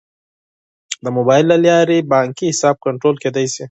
د موبایل له لارې بانکي حساب کنټرول کیدی شي.